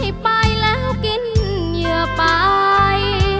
ไปแล้วกินเหยื่อไป